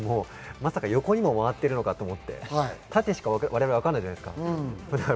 まさか横にも回ってるのかと思って、縦しか我々はわからないじゃないですか。